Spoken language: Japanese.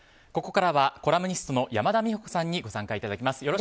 ここからはコラムニストの山田美保子さんにご参加いただきます。